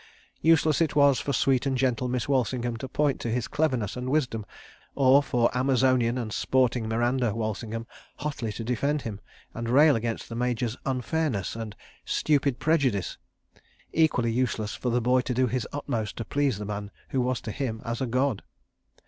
Useless it was for sweet and gentle Miss Walsingham to point to his cleverness and wisdom, or for Amazonian and sporting Miranda Walsingham hotly to defend him and rail against the Major's "unfairness" and "stupid prejudice." Equally useless for the boy to do his utmost to please the man who was to him as a god.